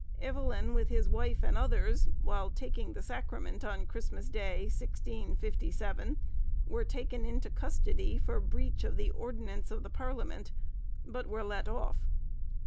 Evelyn with his wife and others, while taking the sacrament on Christmas Day, 1657, were taken into custody for breach of the ordinance of the parliament, but were let off.